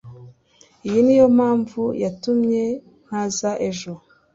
Iyi niyo mpamvu yatumye ntaza ejo.